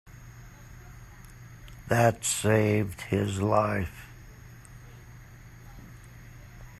That saved his life.